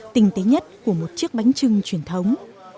tinh tế nhất của một chiếc bánh trưng truyền thống